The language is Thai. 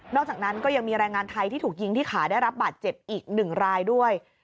อกจากนั้นก็ยังมีแรงงานไทยที่ถูกยิงที่ขาได้รับบาดเจ็บอีก๑รายด้วย